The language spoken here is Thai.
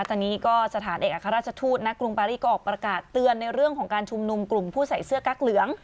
ตอนนี้ก็สถานเอกอัครราชทูตณกรุงปารีก็ออกประกาศเตือนในเรื่องของการชุมนุมกลุ่มผู้ใส่เสื้อกั๊กเหลือง